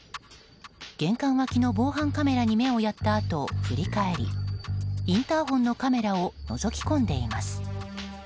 玄関脇の防犯カメラに目をやったあと、振り返りインターホンのカメラをのぞき込んでいます。